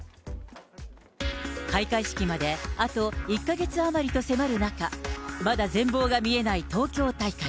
開会式まであと１か月余りと迫る中、まだ全貌が見えない東京大会。